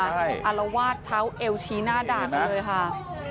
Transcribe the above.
อารวาสเท้าเอวชี้หน้าด่าไปเลยค่ะ